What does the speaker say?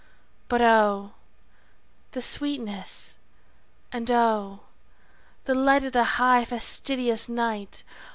But oh, the sweetness, and oh, the light Of the high fastidious night!